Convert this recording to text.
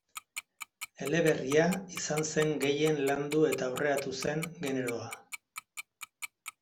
Eleberria izan zen gehien landu eta aurreratu zen generoa.